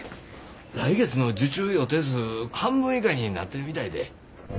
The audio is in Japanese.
来月の受注予定数半分以下になってるみたいで。